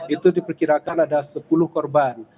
itu diperkirakan ada sepuluh korban